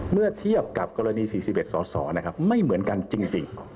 เมื่อเทียบกับกรณี๔๑สสนะครับไม่เหมือนกันจริง